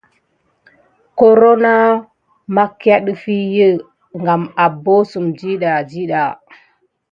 Koro makia ɗefi abosune de wuza ɗiɗa.